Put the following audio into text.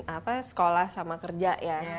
apa sekolah sama kerja ya